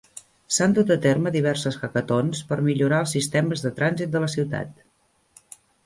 S'han dut a terme diverses hackatons per millorar els sistemes de trànsit de la ciutat.